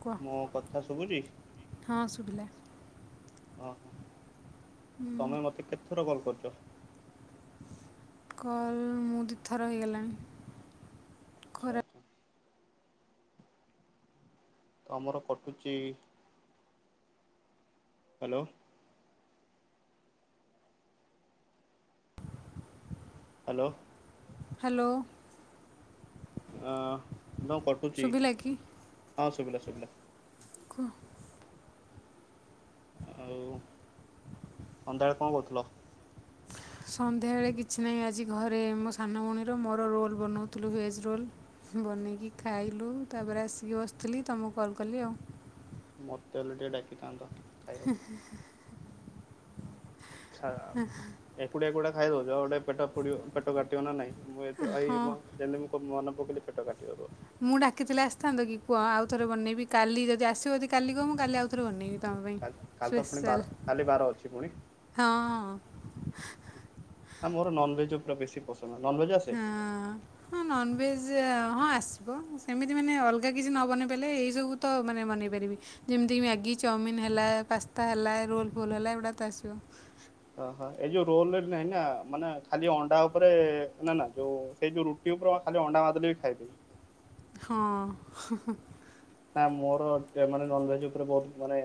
କୁହ ମୋ କଥା ଶଭୁଛି। ହଁ ଶୁଭିଲା ଓହୋ ହୁଁ, ତମେ ମତେ କେତେ ଥର କଲ୍ କରିଛ। କଲ୍ ମୁଁ ଦୁଇ ଥର ହେଇଗଲାଣି ଖରା ସୋ ତମର କଟୁଛି ହାଲୋ। ହାଲୋ। ହାଲୋ। ଅ ହଁ କଟୁଛି ଶୁଭିଲା କି ହଁ ଶୁଭିଲା ଶୁଭିଲା। କୁହ। ଆଉ ସନ୍ଧ୍ୟାବେଳେ କଣ କରୁଥିଲ। ସନ୍ଧ୍ୟାବେଳେ କିଛି ନାହିଁ ଆଜି ଘରେ ମୋ ସାନ ଭଉଣୀର ମୋର ରୋଲ୍ ବନାଉଥିଲୁ ଭେଜ୍ ରୋଲ୍। ବନେଇକି ଖାଇଲୁ ତାପରେ ଆସିକି ବସିଥିଲି ତମକୁ କଲ୍ କଲି ଆଉ। ମତେ ହେଲେ ଟିକେ ଡାକିଥାନ୍ତତ। [inaudible] ଚ୍ଛା ଏକୁଡିଆ ଏକୁଡିଆ ଖାଇଦଉଛ ଗୋଟେ ପେଟ ଫୋଡିବ ପେଟ କାଟିବ ନା ନାଇଁ। ମୁଁ ଏଥର ହଁ ଏଇମ ଯେମତି ମୁ ମନେ ପକେଲି ପେଟ କାଟିବତୋର। ମୁଁ ଡାକିିଥିଲେ ଆସିଥାନ୍ତକି କୁହ ଆଉଥରେ ବନେଇବି କାଲି ଯଦି ଆସିବ ଯଦି କାଲି କହିବ ମୁଁ କାଲି ଆଉ ଥରେ ବନେଇବି। ତମ ପାଇଁ କାଲ କାଲି ତ ପୁଣି ବାର ସ୍ପେଶାଲ୍ କାଲି ବାର ଅଛି ପୁଣି। ହଁ ହଁ ନା ମୋର ନନଭେଜ ଉପରେ ବେଶୀ ପସନ୍ଦ। ନନଭେଜ୍ ଆସେ? ହଁ ନନଭେଜ ହଁ ଆସିବ ସେମିତି ମାନେ ଅଲଗା କିଛି ନବନେଇ ପାରଲେ ଏଇ ସବୁ ତ ମାନେତ ବନେଇ ପାରିବି ଯେମିତି ମ୍ୟାଗି ଚାଉମିନ୍ ହେଲା ପାସ୍ତା ହେଲା ରୋଲ୍ ଫୋଲ୍ ହେଲା ଏଗୁଡ଼ା ତ ଆସିବ। ଓହୋ ଏଇ ଯୋଉ ରୋଲରେ ନାହିଁ ନା ମାନେ ଖାଲି ଅଣ୍ଡା ଉପରେ ନା ନା ଯୋଉ ସେଇ ଯୋଉ ରୁଟି ଖାଲି ଅଣ୍ଡା ଭାତ ଟିକେ ଖାଇଦବି। ହୁଁ ହୁଁ ହୁଁ। ନା ମୋର ପିୟ ମାନେ ନନଭେଜ ଉପରେ ବହୁତ ମାନେ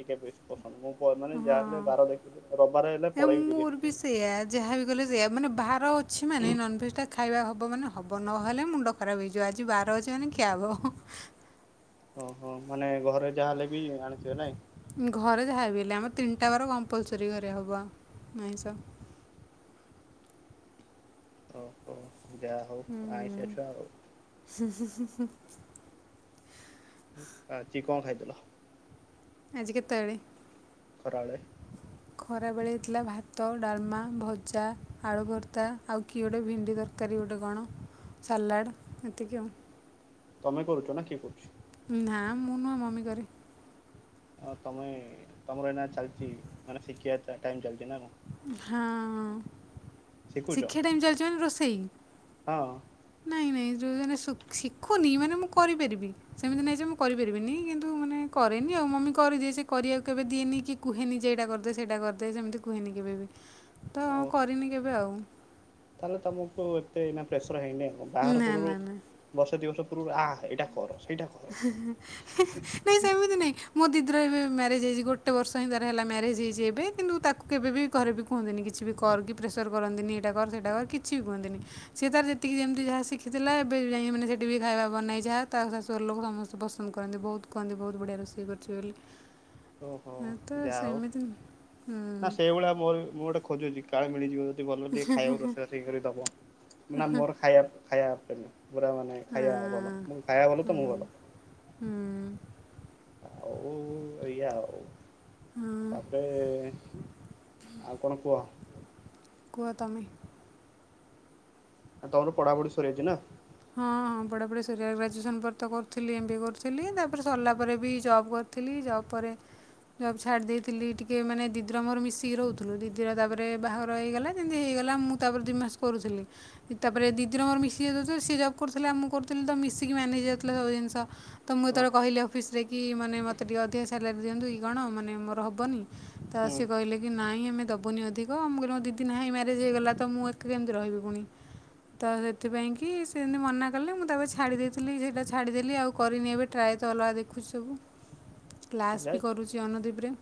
ଟିକେ ବେଶ କଷ୍ ମୁଁ ମାନେ ହଁ ଯାହାହଲେ ବାର ଦେଖିଲେ ରବିବାର ହେଲେ ଏ ପଳେଇବି ମୋର ବିରିୟାନୀ ବି ଖାଇବାକୁ। ସେଇଆ ଯାହା ବି କଲେ ସେଇଆ ମାନେ ବାର ଅଛି ମାନେ ନନଭେଜ୍ ଟା ଖା ଖାଇବା ହବ ମାନେ ହବ ନହେଲେ ମୁଣ୍ଡ ଖରାପ ହେଇଯିବ, ଆଜି ବାର ଅଛି ମାନେ ଖିଆ ହେବ। ଓହୋ ମାନେ ଘରେ ଯାହାହେଲେବି- ଘରେ ଯାହା ହେବଲେ ଆମ- ତିନିଟା ବାର କମ୍ପଲସରୀ ଘରେ ହେବ ଆଇଷ। ଓ ହୋ ଯାହା ହଉ ହୁଁ ଆଇନ୍ସ ଛୁଆ ଆଉ। ଆଜି କଣ ଖାଇଥିଲ? ଆଜି କେତେବେଳେ? ଖରା ବେଳେ। ଖରାବେଳେ ହେଇଥିଲା ଭାତ ଡାଲମା ଭଜା ଆଳୁ ଭର୍ତ୍ତା ଆଉ କିଏ ଗୋଟେ ଭେଣ୍ଡି ତରକାରୀ ତରକାରୀ ଗୋଟେ କଣ ସାଲାଡ ଏତିକି ଆଉ। ତମେ କରୁଚ ନା କିଏ କରୁଚି? ନାଁ ମୁଁ ନୁହଁ ମମି କରେ। ଆଉ ତମେ ତମର ଏଇନା ଚାଲିଚି ମାନେ ଶିଖିବା ଟାଇମ୍ ଚାଲିଚି ନା କଣ? ହଁ ଶିଖୁଛ? ଶିକ୍ଷା ଟାଇମ ଚାଲିଚି ମାନେ ରୋଷେଇ? ହଁ। ଯଉଁ ଦିନ ଶିଖୁ ଶିଖୁନି ମାନେ ମୁଁ କରିପାରିବି ସେମିତି ନାହିଁ ଯେ ମୁଁ କରିପାରିବିନି କିନ୍ତୁ ମାନେ କରେନି ଆଉ। ଆଉ ମମି କରିଦିଏ ସେ କରିବାକୁ କେବେ ଦିଏନି କି କୁହେନି ଯେଇଟା କରିଦେ ସେଇଟା କରିଦେ ସେମିତି କୁହେନି। କେବେ ବି ତ ଓହୋ। କରିନି କେବେ ଆଉ। ତାହେଲେ ତମକୁ ଏତେ ଏଇନା ପ୍ରେସର ହେଇନି ଆଉ ବାହାଘର ନା ପୂର୍ଵରୁ ନା ନା ବର୍ଷେ ଦୁଇ ବର୍ଷ ଆ ଏଇା କର। ସେଇଟା କର। ହି ହି ନାଇଁ ସେମିତି ନାଇଁ ମୋଦି ବେ ମ୍ୟାରେଜ ହେଇଛି ଗୋଟେ ବର୍ଷ ହିଁ ତାର ହେଲା ମ୍ୟାରେଜ ହେଇଛି ଏବେ କିନ୍ତୁ ତାକୁ କେବେ ବି ଘରେ ବି କୁହନ୍ତିନି କିଛି ବି କ କର ପ୍ରେସର କରନ୍ତିନି ଏଇଟା କର ସେଟା କର କିଛି ବି କୁହନ୍ତିନି ସେ ତାର ଯେତିକି ଯେମିତି ଯାହା ଶିଖିଥିଲା ଏବେ ଯ ମାନେ ସେଠି ବି ଖାଇବା ବନେଇ ଯାହା ତା ସା ଘର ଲୋକ ସମସ୍ତେ ପସନ୍ଦ କରନ୍ତି ବହୁତୁ କୁହନ୍ତି ବହୁତୁ ବଢ଼ିଆ ରୋଷେଇ କରୁଛି ବୋଲି। ଓହୋ ହଁ, ତ ଯାହା ହଉ ସେମିତି ହୁଁ ନା ସେଇଭଳିଆ ମୋର ମୁଁ ଗୋଟେ ଖୋଜୁଛି କାଳେ ମିଳିଯିବ। ଯଦି ଭଲରେ ଟିକେ ଖାଇବାକୁ ରୋଷେଇବାସ କରି ଦବ ମୁଁନା ମୋର ଖାଇବା ଖାଇବା ଉପରେ ପୁରା ମାନେ ହଁ, ଖାଇବା ଭଲ ମୁ ଖାଇବା ଭଲ ହୁଁ ତ ମୁଁ ଭଲ। ହୁଁ ଆଉ ଏଇଆ ଆଉ ହଁ ତାପରେ ଆଉ କଣ କୁହ? କୁହତମେ? ତମର ପଢାପଢି ସରିଯାଇଚି ନା? ହଁ, ହଁ ପଢ଼ାପଢ଼ି ସରିଆ ଗ୍ରାଜୁଏସନ୍ ପରେ ତ କରୁଥିଲି ଏମ୍ ବି ଏ କରୁଥିଲି। ତାପରେ ସରିଲା ପରେ ବି ଜବ୍ କରିଥିଲି। ଜବ ପରେ ଜବ୍ ଛାଡ଼ି ଦେଇଥିଲି, ଟିକେ ମାନେ ଦିଦିର ମୋର ମିଶିକି ରହୁଥିଲୁ। ଦିଦିର ତାପରେ ବାହାଘର ହେଇଗଲା। ଯେମିତି ଗଲା ମୁଁ, ତାପରେ ଦିଇ ମାସ କରୁଥିଲି। ତାପରେ ଦିଦିର ମୋର ମିଶିକି ଯେତେ ସିଏ ଜବ୍ କରୁଥିଲା। ମୁଁ କରୁଥିଲି ତ ମିଶିକି ମ୍ୟାନେଜ ହେଇଯାଉଥିଲା ସବୁ ଜିନିଷ। ତ ମୁଁ ଯେତେବେଳେ ଓହୋ। କହିଲି ଅଫିସରେ କି ମୋ ମାନେ ମୋତେ ଟିକେ ଅଧିକା ସାଲାରୀ ଦିଅନ୍ତୁ କି କଣ? ମାନେ ମୋର ହବନି ତ, ହୁଁ ସେ କହିଲେ କି ନାଇଁ ଆମେ ଦବୁନି ଅଧିକ ମୁ କହିଲି ଦିଦି ନାହିଁ ମ୍ୟାରେଜ ହେଇଗଲା ତ ମୁଁ ଏକା କେମିତି ରହିବି ପୁଣି। ତ ସେଥିପାଇଁ କି କି ସେମିତି ମନା କଲେ ମୁଁ ତାପରେ ଛାଡ଼ି ଦେଇଥିଲି। ସେଇଟା ଛାଡ଼ିଦେଲି ଆଉ କରିନି ଏବେ ଟ୍ରାଏ ତ ଅଲଗା ଦେଖୁଛି ସବୁ [inaudible] କ୍ଲାସ୍ ବି କରୁଚି ଅନଦୀପ୍ ରେ।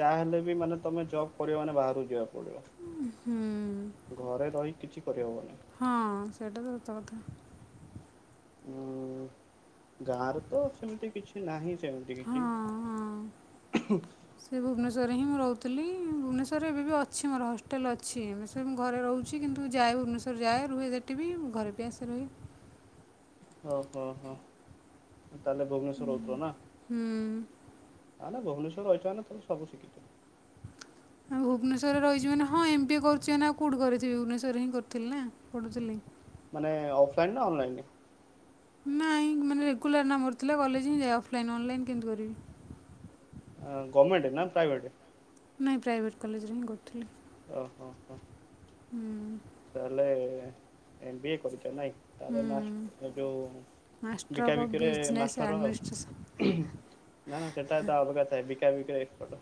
ଯାହା ହେଲେ ବି ମାନେ, ତମେ ଜବ୍ କରିବ ମାନେ ବାହାରୁ ଯିବାର ହୁଁ ଘରେ ରହି କିଛି କରିହବନି। ହଁ ସେଇଟା ତ ସତକଥା। ଉଁ ଗାଁରେ ତ ସେମିତି କିଛି ନାହିଁ। ଏମିତି କିଛି ହଁ ଆଉ ଘରେ ହିଁ ମୁଁ ରହୁଥିଲି, ଭୁବନେଶ୍ୱରରେ ଏବେ ବି ଅଛି, ମୋର ହଷ୍ଟେଲ ଅଛି ମିଶେ ମୁଁ ଘରେ ରହୁଛି କିନ୍ତୁ, ଯାଏ ଭୁବନେଶ୍ୱର ଯାଏ, ରୁହେ ସେଠି ବି ମୁଁ, ଘରେ ବି ଆସେ ରହେ। ଓହୋ ହୋ। ତାହେଲେ ଭୁବନେଶ୍ଵରେ ରହୁଥିଲ ନା, ହୁଁ ତାହେଲେ ଭୁବନେଶ୍ୱର୍ ରହିିଥିବ ନା ତମେ ସବୁ ଶିଖିଥିବ। ଆଉ କ ଭୁବନେଶ୍ୱରରେ ରହିଚି ମାନେ ହଁ ଏମ୍ ବି ଏ କରିଚି ମାନେ ଆଉ କଉଠି କରିଥିବି, ଭୁବନେଶ୍ୱରରେ ହିଁ କରିଥିଲି ନା ପଢୁଥିଲି। ମାନେ ଅଫଲାଇନ୍ ନା ଅନଲାଇନ୍? ନାଇଁ ମାନେ ରେଗୁଲାର ନା ମୋର ଥିଲା। କଲେଜ ହିଁ ଯାଏ, ଅଫଲାଇନ୍ ଅନଲାଇନ୍ କେମତି କରିବି? ଆ ଗମେଣ୍ଟ୍ ନା ପ୍ରାଇଭେଟ୍? ନାଇଁ ପ୍ରାଇଭେଟ୍ କଲେଜରେ ହିଁ କରୁଥିଲି। ଓହୋ ହୋ ହୁଁ ତାହେଲେ, ଏମ ବି ଏ କରିଚ ନାଇଁ। ତାହେଲେ ହୁଁ ମାସ୍ ଏ ଯୋଉ ମାଷ୍ଟର ବିକା ଅଫ୍ ବିକିରେ ବିଜନେସ୍ ମାଷ୍ଟର ଆଉ, ଆଡ଼ମିନିଷ୍ଟ୍ରେସନ୍ ନା ନା ସେଟା ତା ଅପେକ୍ଷା ଥାଏ ବିକା ବିକି ରେ ଏକ୍ସପର୍ଟ।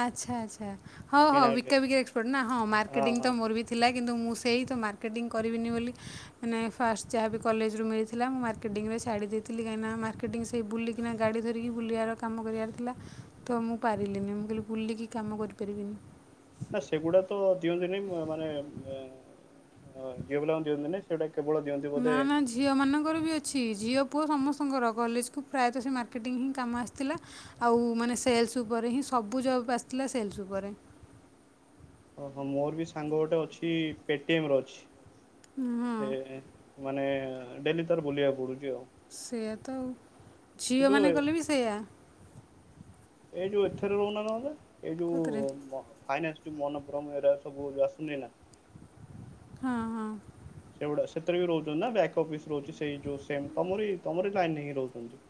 ଆଚ୍ଛା ଆଚ୍ଛା। ହ ହଁ ବିକା ବିକିରେ ଏକ୍ସପଟ୍ ନା ହଁ ମାର୍କେଟିଂ ତ ମୋର ବି ଥିଲା। କିନ୍ତୁ ମୁଁ, ସେଇ ତ ମାର୍କେଟିଂ କରିବିନି ବୋଲି ମାନେ, ଫାଷ୍ଟ୍ ଯାହାବି କଲେଜରୁ ମିଳିଥିଲା। ମୁଁ ମାର୍କେଟିଂରେ ଛାଡ଼ି ଦେଇଥିଲି କାହିଁକି ନା ମାର୍କେଟିଂ ସେଇ ବୁଲି କିନା ଗାଡି ଧରିକି ବୁଲିବାର କାମ କରିବାର ଥିଲ। ତ ମୁ ପାରିଲିନି, ମୁଁ କହିଲି ବୁଲିକି କାମ କରିପାରିବିନି। ନା ସେଗୁଡା ତ ଦିଅନ୍ତିନି ମାନେ ଝିଅ ପିଲାଙ୍କୁ ଦିଅନ୍ତିନି। କେବଳ ଦିଅନ୍ତି ନା ବୋଧେ ନା ଝିଅ ମାନଙ୍କର ବି ଅଛି। ଝିଅ ପୁଅ ସମସ୍ତଙ୍କର କଲେଜକୁ ପ୍ରାୟତଃ ସେ ମାର୍କେଟିଙ୍ଗ୍ ହିଁ କାମ ଆସିଥିଲା। ଆଉ ମାନେ ସେଲ୍ସ ଉପରେ ହିଁ ସବୁ ଜବ୍ ଆସିଥିଲା ସେଲ୍ସ୍ ଉପରେ। ଓହୋ ମୋର ବି ସାଙ୍ଗ ଗୋଟେ ଅଛି ପେଟିଏମ୍ ର ଅଛି। ହଁ ସେ ମାନେ ଡେଲି ତାର ବୁଲିବାକୁ ପଡୁଛି। ଆଉ ସେୟା ତ ଆଉ କିନ୍ତୁ ଝିଅମାନେ କଲେ ବି ସେଇଆ। ଏଇ ଯୋଉ ଏଥରେ ରହୁନା ନହେଲେ। ଏଇ କେଉଁଥିରେ ଯୋଉ ଫାଇନାନ୍ସ୍ ମନୋପୁରମ ଏଡା ସବୁ ଆସୁନି ନା ହଁ ହଁ। ସେଗୁଡା ସେଥିରେ ବି ରହୁଛନ୍ତି ନା ବ୍ୟାକ୍ଅଫ୍ ବି ରହୁଛି ସେଇ ଯୋଉ ସେମ୍ ତମରି ତମରି ଲାଇନ୍ ହେଇ ରହୁଛନ୍ତି।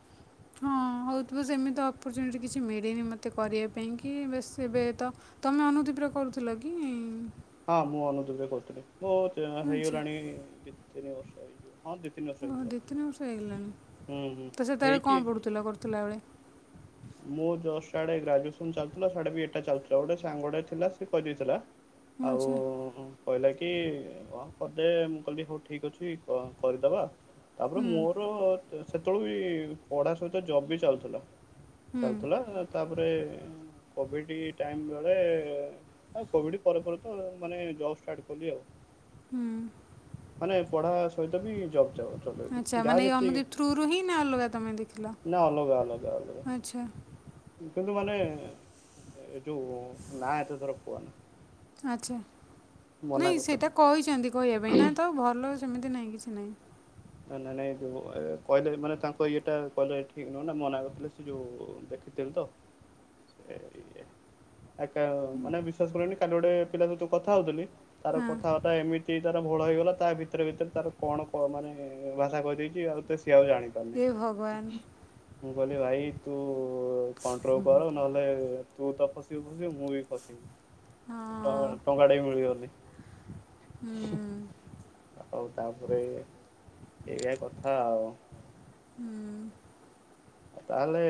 ହଁ। ହଉଥିବ ସେମିତି ଅପର୍ଚୁନିଟି କିଛି ମିଳିନି ମୋତେ କରିବା ପାଇଁ କି ବେଶ୍ ଏବେ ତ ତମେ ଅନୁଦିଦି କରୁଥିଲ କି? ହଁ ମୁଁ ଅନୁଦିଦିର କରୁଥିଲି। ମୁଁ ଆଚ୍ଛା ହେଇଗଲାଣି ଦି ତିନି ବର୍ଷ। ହେଇଯିବ ହଁ ଦି ତିିନି ବର୍ଷ ଓହୋ ହେଇଯିବ। ଦୁଇ ତିନି ବର୍ଷ ହେଇଗଲାଣି ହୁଁ ହୁଁ ତ ସେତେବେଳେ କ'ଣ ହେଇକି ପଢ଼ୁଥିଲ କରୁଥିଲା ବେଳେ ମୁଁ ଜଷ୍ଟ ଆଡେ ଗ୍ରାଜୁଏସନ ଚାଲିଥିଲା। ଆଡେ ବି ଏଟା ଚାଲିଥିଲା। ଗୋଟେ ସାଙ୍ଗଟେ ଥିଲା ସେ କହିଦେଇଥିଲା। ମୁଁ ଆଉ ଜା କହିଲା କି ହଁ କରିଦେ ମୁଁ କହିଲି ହଉ ଠିକ ଅଛି କରିଦବା। ତାପରେ ହୁଁ ମୋର ସେତେବେଳେ ବି ପଢା ସହିତ ଜବ୍ ବି ଚାଲୁଥିଲା। ହୁଁ ଚାଲୁଥିଲା। ତାପରେ ଏଁ କୋଭିଡ ଟାଇମ୍ ବେଳେ ଆଉ କୋଭିଡ ପରେ ପରେ ତ ମାନେ ଜବ ଷ୍ଟାର୍ଟ କଲି ଆଉ। ହୁଁ। ପଢା ସହି ଯଦି ଜପ୍‌ ଫପ ଆଚ୍ଛା ଚଲେଇଲି ମାନେ ଏଇ ଯେତିକ ଅନୁଦୀପ ଥ୍ରୁରୁ ହିଁ ନା ଅଲଗା ତମେ ଦେଖିଲ ନା ଅଲଗା ଅଲଗା ଅଲଗା। ଆଚ୍ଛା। ଦେଖନ୍ତୁ ମାନେ ଏ ଯୋଉ ନା ଏତେ ଥର କୁହନା। ଆଚ୍ଛା ମନା ନାଇଁ କରିଦେଲେ। ସେଇଟା କହିଛନ୍ତି କହିବା ପାଇଁ ନା ତ ଭଲ ସେମିତି ନାହିଁ କିଛି ନାହିଁ। ନା ନା ନାଇଁ ଯୋଉ କହିଲେ ମାନେ ତାଙ୍କ ଇଏଟା କହିଲେ ଠିକ ନୁହେଁ ନା ମନା କରିଥିଲେ ସେ ଯୋଉ ଦେ ରଖିଥିଲୁ ତ ସେ ଇଏ ଆକା ମାନେ ବିଶ୍ଵାସ କରିବନି କାଲି ଗୋଟେ ପିଲା ସହିତ କଥା ହଉଥିଲି ତାର ହଁ କଥାବାର୍ତ୍ତା ଏମିତି ତାର ଭୋଳ ହେଇଗଲା ତା ଭିତରେ ଭିତରେ ତାର କଣ କ ମାନେ ଭାଷା କହିଦେଇଛି ଆଉ ତ ସେ ସିଏ ଆଉ ଜାଣ ଏ ଭଗବାନ ପାରନି। ମୁଁ କଇଲି ଭାଇ ତୁ କଣ୍ଟ୍ରୋଲ କର ନହେଲେ ତୁ ତ ଫସିବୁ ଫସିବୁ ମୁଁ ବି ଫସିବି। ଟ ହଁ ଟଙ୍କାଟେ ବି ମିଳିବନି। ହୁଁ ଆଉ ତାପରେ ଏଇଆ କଥା ଆଉ। ହୁଁ। ତାହେଲେ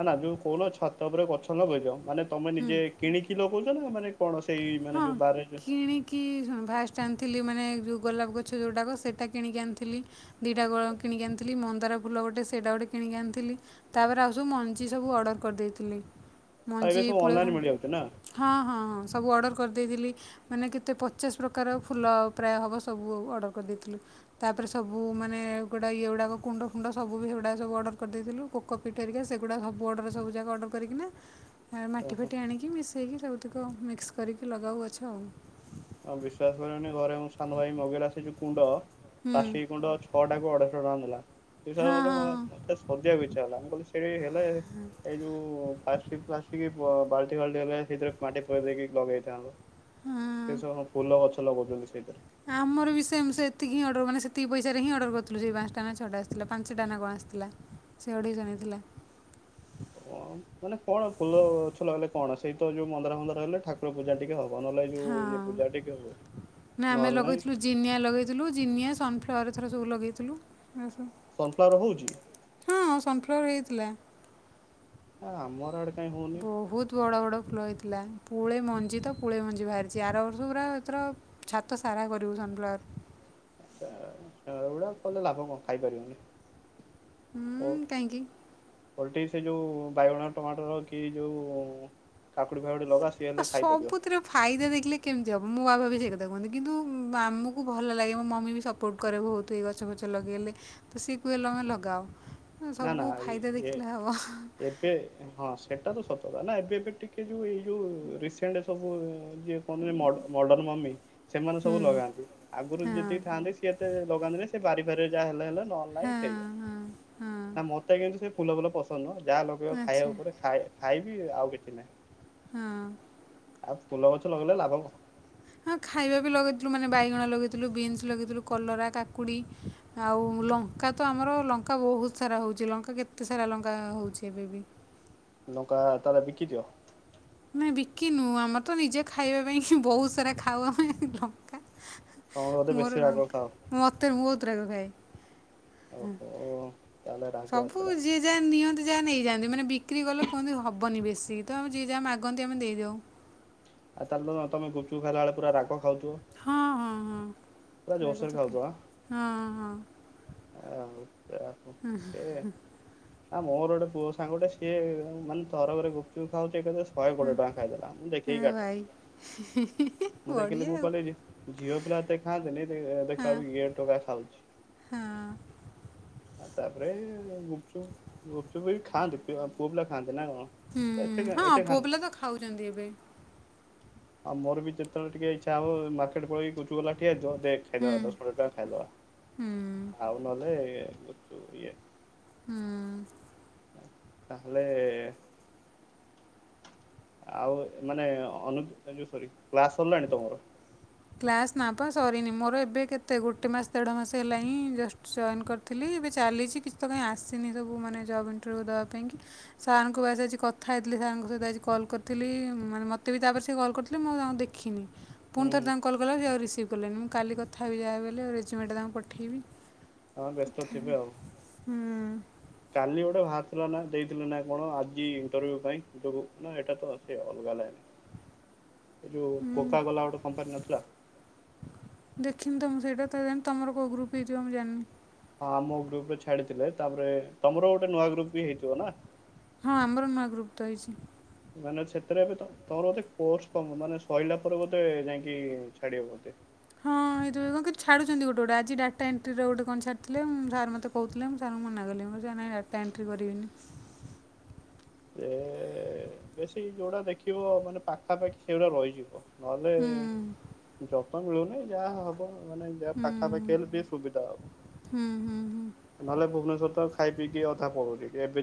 ନା ନା ଯୋଉ କଉନ ଛାତ ଉପରେ ଗଛ ଲଗେଇଚ ମାନେ ତମେ ହୁଁ ନିଜେ କିଣିକି ଲଗଉଛ ନା ମାନେ କଣ ସେଇ ମାନେ ହଁ ଯୋଉ ବାରେ କିଣିକି ଫାଷ୍ଟ ଆଣ ଥିଲି ମାନେ ଯୋଉ ଗୋଲାପ ଗଛ ଯେଉଟାକ ସେଟା କିଣିକି ଆଣିଥିଲି। ଦିଟାଗ କିଣିକି ଆଣିଥିଲି ମନ୍ଦାର ଫୁଲ ଗୋଟେ ସେଟା ଗୋଟେ କିଣିକି ଆଣିଥିଲି ତାପରେ ଆଉ ସବୁ ମଞ୍ଜି ସବୁ ଅର୍ଡ଼ର କରିଦେଇଥିଲି। ଆଉ ଏବେ ମଞ୍ଜି ସବୁ ପୁଳେ ଖଁ ଅନଲାଇନ ମିଳିଯାଉଛି ନା ହଁ ହଁ ହଁ। ସବୁ ଅର୍ଡ଼ର କରିଦେଇଥିଲି। ମାନେ କେତେ ପଚାଶ ପ୍ରକାର ଫୁଲ ପ୍ରାୟ ହବ ସବୁ ଅର୍ଡ଼ର କରିଦେଇଥିଲୁ। ତାପରେ ସବୁ ମାନେ ଗୋଟା ଇଏ ଗୁଡାକ କୁଣ୍ଡ ଫୁଣ୍ଡ ସବୁ ବି ସେଗୁଡାକ ସବୁ ଅର୍ଡର କରିଦେଇଥିଲୁ। କୋ କୋ ପିଟେ ୟେ ସେଗୁଡ଼ା ସବୁ ଅର୍ଡ଼ରରେ ସବୁ ଯାକ ଅର୍ଡ଼ର କରିକିନା ଆ ମାଟି ଓହୋ ଫାଟି ଆଣିକି ମିଶେଇକି ସବୁତିକ ମିକ୍ସ କରିକି ଲଗାଉ ଗଛ ଆଉ। ହଁ ବିଶ୍ୱାସ କରିବନି ଘରେ ମୋ ସାନ ଭାଇ ମଗେଇା ସେ ଯୋଉ କୁଣ୍ଡ ହୁଁ ପ୍ଲାଷ୍ଟିକ କୁଣ୍ଡ ଛଅ ଟାକୁ ଅଢ଼େଇଶ ଟଙ୍କା ନେଲା। ସେ ହଁ ହଁ ଶଳାଟାକୁ ଇଚଛ ହେଲା ମୁଁ କହିଲି ସେଇଠି ହେଲେ [unintelligible] ଏଇ ଯୋଉ ପ୍ଲାଷ୍ଟିକ ଫ୍ଲାଷ୍ଟିକ ଅ ବାଲଟି ଫାଲ୍ଟି ହେଲେ ସେଥିରେ ମାଟି ପୁରେଇ ଦେଇକି ଲଗେଇଥାନ୍ତ। ହଁଅଁ ସେସବୁ ଫୁଲଗଛ ଲଗଉଛନ୍ତି ସେଇଥେରେ। ଆମର ବି ସେମ ସେତିକି ହିଁ ଅଡର ମାନେ ସେତିକି ପଇସାରେି ହିଁ ଅଡର କରିଥିଲୁ ସେଇ ପାଞ୍ଚଟା ନା ଛଅଟା ଆସିଥିଲା ପାଞ୍ଚ ଟା କଣ? ଆସିଥିଲା। ସେଇ ଅଢ଼େଇଶ ନେଇ ଥିଲା। ହ [inaudible] ମାନେ କଣ ଫୁଲଗଛ ଲଗେଇଲେ କଣ ସେଇତ ଯୋଉ ମନ୍ଦାର ହନ୍ଦାର ହେଲେ ଠାକୁର ପୂଜା ଟିକେ ହବ। ନହେଲେ ଯୋଉ ହଁ ଇଏ ପୂଜା ଟିକେ ହୁଏ ନା ଆମେ ନହେଲେ ନାଇଁ ଲଗେଇଥିଲୁ ଜିନିଆ ଲଗେଇଥିଲୁ ଜିନିଆ ସନ ଫା ଫ୍ଲାୱାର ଏଥର ସବୁ ଲଗେଇଥିଲୁ। ଆ ସବୁ ସନଫ୍ଲୱାର ହଉଛି ହଁ ସନ୍ଫ୍ଲୱାର ହେଇଥିଲା। ଆ ଆମର ଆଡ ବହୁତ ବଡ ବଡ। ଫଲ ହେଇଥିଲା ପୁଳେ ମଞ୍ଜି ତ ପୁଳେ ମଞ୍ଜି ବାହାରିଛି ଆର ବର୍ଷ ପୁରା ଏଥର ଛାତ ସାରା କର ବଙ୍ଗଲାର। ଆଛାଗୁଡା କଲେ ଲାଭ କଣ ଖାଇପାରିବନି ଓ ହୁଁ କାହିଁକି? ଓଲଟି ସେ ଯୋଉ ବାଇଗଣ ଟମାଟର କି ଯୋଉ କାକୁଡି? ଫାକୁଡି ଲଗା ସିଏ ଆଉ ହେଲେ ଖାଇପାରିବ ସବୁଥିରେ ଫାଇଦା ଦେଖିଲେ କେମିତି ହବ ମୁଁ ବା ଭି କନ୍ତୁ ଆମକୁ ଭଲ ଲାଗେ ମୋ ମମି ବି ସପୋର୍ଟ କରେ ବତ ଗଛଛ ଲଗେଇଲେ। ସିକୁଏଲ୍ ଆମେ ଲଗାଅ ନା ନା ସବୁ ଫାଇଦା ଇ ଦେଖିଲେ ହେବ ଏବେ ହଁ ସେଟା ତ ସତତା ନା ଏବେ ଏବେ ଟିକ ଯୋଉ ଏଇ ଯୋଉ ରସେଣ୍ଟ ସବୁ ଯଏ କ ମଡଣ ମି ସେମାନେ ସବୁ ହୁଁ ଲଗାନ୍ତି ଆଗରୁ ହଁ ଯେତିକି ଥାଆନ୍ତି ସିଏ ଏତେ ଲଗାନ୍ତି ନା ସେ ବାରି ଫାରିରେ ଯାହା ହେଲେ ହେଲା। ନ ନାଇଁ ହଁ ସେଇା ହଁ ନା ହଁ ମତେ କିନ୍ତୁ ସେ ଫୁଲ ଫୁଲ ପସନ୍ଦ ନୁହଁ ଯାହା ଲଗେଇବା ଖାଇବା ଆଚ୍ଛା ଉପରେ ଖାଇ ଖାଇବି ଆଉ କିଛି ନାହିଁ। ହଁ। ଆଉ ଫୁଲ ଗଛ ଲଗେଇଲେ ଲାଭ କ ହଁ ଖାଇବା ବି ଲଗେଇଥିଲୁ ମାନେ ବାଇଗଣ ଲଗେଇଥିଲୁ ବିନ୍ସ ଲଗେଇଥିଲୁ କଲରା କାକୁଡ଼ି ଆଉ ଲଙ୍କା ତ ଆମର ଲଙ୍କା ବହୁତ ସାରା ହେଉଛି ଲଙ୍କା କେତେ ସାରା ଲଙ୍କା ହେଉଛି ଏବେ ବି ନକା ତାା ବିକି ଦିଅ। ଆ ବିକିନୁ ଆମର ତ ନିଜେ ଖାଇବା ପାଇଁ ବହୁତ ସାରା ଖାଉ ଆମେ ଲଙ୍କା ତମର ବୋଧେ ବେଶୀ ମୋର ରାଗ ଖାଅ। ଲଙ୍କା ମତେ ବହୁତ ରାଗ ଭାଇ ଆଉ ସବୁ ଯିଏ ଯାହା ନିଅନ୍ତି ଯାହା ନେଇଯାଆନ୍ତି ମାନେ ବିକ୍ରି ଗଲେ କୁହନ୍ତି ହବନି ବେଶ। ସେ ତ ଆମେ ଯ ଆମେ ଆଗନ୍ତି ଆମେ ଦେଇଦଉ। ଆଉ ତାଲେ ତମେ ଗୁପଚୁପ୍ ଖାଇଲା ବେଳେ ପୁରା ରାଗ ଖାଉଛ ହଁ ହଁ ହଁ ହ ଆଁ ହୁ ଆଉ ସେ ହ ଆ ମୋର ଗୋଟେ ପୁଅ ସାଙ୍ଗଟେ ସିଏ ମାନେ ତରକରେ ଗୁପଚୁପ ଖାଉଛି। ଶହେ କୋଡିଏ ଟଙ୍କା ଖାଇଦଲା ମୁଁ ଦେଖି ହଁ ସେଇାଠ ଭାଇ ହି, ମୁଁ ଦେଖିଲି ବଢ଼ିଆ ମୁଁ ଆଉ କିଲ ଝିଅ ପିଲା ଦେଖାନ୍ତିନି ହଁ ଦେଖ ଇଏ ଟଙ୍କା ଖାଉଛି। ହଁ ତାପରେ ଗୁପଚୁ ଗୁପଚୁ ବି ଖାଆନ୍ତି ପୁଅ ପିଲା ଖାଆନ୍ତି। ନା ହୁଁ, କ ଏତେ ହଁ ଏତେ ଖା ପୁଅ ପିଲା ତ ଖାଉଛନ୍ତି ଏବେ ଆଉ ମୋର ବି ଯେତେବେଳେ ଟିକେ ଇଛା ହବ ମାର୍କେଟ ପଳେଇକି ଗୁପଚୁପ ବାଲା ଠିଆ ହେଇଥିବ ଦେ ହୁଁ ଖାଇଦବା ଦଶ କୋଡିଏ ଟଙ୍କା ହୁଁ ଖାଇଦବା ଆଉ ନହେଲେ ଇଏ ହୁଁ। ତାହାଲେ ଆଉ ମାନେ ଅନି ଏ ଯୋଉ ସରୀ କ୍ଲାସ ସରିଲାଣି ତମର? କ୍ଲାସ୍ ନା ପା ସରିନି ମୋର ଏବେ କେତେ ଗୋଟେ ମାସ ଦେଢ ମାସ ହେଲା ହିଁ ଜଷ୍ଟ ଜଏନ୍ କରିଥିଲି। ଏବେ ଚାଲିଛି କିଛି କାଇଁ ଆସିନି ସବୁ ମାନେ ଜବ୍ ଇଣ୍ଟଭିଉ ଦେବା ପାଇଁ କି ସାର୍ ଙ୍କୁ ଆସ କଥା ହେଇଥିଲି ସେ ସାରଙ୍କ ସହ ଆଜି କଲ୍ କରିଥିଲି ମାନେ ମତେ ବି ତାପରେ ସିଏ କଲ୍ କରିଥିଲେ ମୁଁ ତାଙ୍କୁ ଆଉ ଦେଖିନି। ହୁଁ ପୁଣି ଥରେ ହୁଁ ତାଙ୍କୁ କଲ୍ କଲାଅଳୁ ଆଉ ରିସିଭ୍ କଲେନି ମୁଁ କାଲିକଥା ହେବି ଯାହା ବି ହେଲେ ଆଉ ରେଜିମେଣ୍ଟ ତାଙ୍କୁ ପଠେଇବି ହଁ ବ୍ୟସ୍ତ କଥା ଥିବେ ହେବି ଆଉ ହୁଁ କାଲି ଗୋଟେ ଭା ର ନା ଦେଇଥିଲ ନା କଣ ଆଜି ଇଣ୍ଟଭ୍ୟୁ ପାଇଁ ଯୋଉ ନା ଏଇଟା ତ ସେ ଅଲଗା ଲାଇନ୍ ଏ ଯୋଉ ହୁଁ କୋକକୋଲା ଗୋଟେ କମ୍ପାନୀ ନଥିଲା? ହୁଁ ତ ମୁଁ ସେଟା ତ ଜାଣିନି ତମର କଉ ଗ୍ରୁପ ହେଇଥିବ ମୁଁ ଜାଣିନି। ହଁ ମୋ ଗ୍ରୁପ ରେ ଛାଡିଥିଲେ ତାପରେ ତମର ଗୋଟେ ନୂଆ ଗ୍ରୁପ ବି ହେଇଥିବ ନା? ହଁ ଆମର ନୂଆ ଗ୍ରୁପ ତ ହେଇଚି। ମାନେ ସେଥିରେ ଏବେ ତମ ତୋମର କୋସ ମାନେ ସରିଲା ପରେ ବୋଧେ ଯାଇଁକି ଛାଡି ବେ ବୋଧେ। ହଁ ଏଇ ଯୋଉ କଣ କହିଲୁ ଛାଡୁଚନ୍ତି ଗୋଟେ ଗୋଟେ ଆଜି ଡାଟା ଏଣ୍ଟ୍ରି ର ଗୋଟେ କଣ ଛାଡିଥିଲେ ଉଁ ସାର୍ ମେ କହୁଥିଲେ ମୁଁ ସାର ମୁଁ ମନା କଲି ମୁଁ କହିଲି ସାର ନାଇଁ ଡାଟା ଏଣ୍ଟ୍ରି କରିବିନି। ସେ ବେଶୀ ଯୋଉଟା ଦେଖିବ ମାନେ ପାଖାପାଖି ସେଗୁଡା ରହିଯିବ। ନହେଲେ ହୁଁ ଜବ୍ ତ ମିଳୁନି ଯାହା ହବ। ମାନେ ଯାହା ହୁଁ ପାଖା ପାଖି ହେଲେ ଟିକେ ସୁବଧା ହବ ହୁଁ ହୁଁ ହୁଁ ନ ନହେଲେ ଭୁବନେଶ୍ଵର ତ ଖାଇ ପିକି ଅଧା ପଲୋଉଚି ଏବେ